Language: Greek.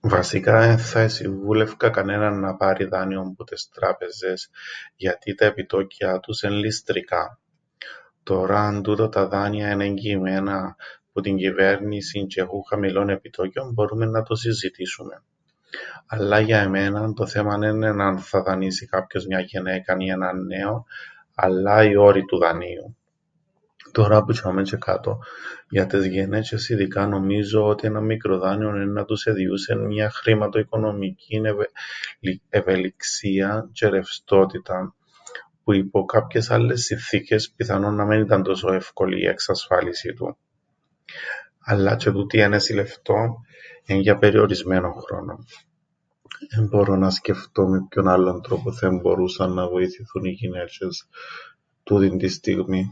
Βασικά εν θα εσυμβούλευκα κανέναν να πάρει δάνειον που τες τράπεζες γιατί τα επιτόκια τους εν' ληστρικά. Τωρά αν τούτα τα δάνεια εν' εγγυημένα που την κυβέρνησην τζ̆αι έχουν χαμηλόν επιτόκιον μπορούμεν να το συζητήσουμεν. Αλλά για εμέναν το θέμαν έννεν' αν θα δανείσει κάποιος μιαν γεναίκαν ή έναν νέον αλλά οι όροι του δανείου. Τωρά που τζ̆ειαμαί τζ̆αι κάτω για τες γεναίτζ̆ες ειδικά νομίζω ότι έναν μικροδάνειον εννά τους εδιούσεν μιαν χρηματοοικονομικήν ευελιξίαν τζ̆αι ρευστότηταν που υπό κάποιες άλλες συνθήκες πιθανόν να μεν ήταν τόσον εύκολη η εξασφάλιση του. Αλλά τζ̆αι τούτη η ένεση λεφτών εν' για περιορισμένον χρόνον. Εν μπορώ να σκεφτώ με ποιον άλλον τρόπον θα εμπορούσαν να βοηθηθούν οι γυναίτζ̆ες τούτην την στιγμήν.